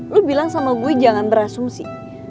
lu bilang sama gue jangan berasumsi